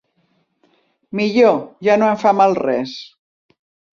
Millor. Ja no em fa mal res.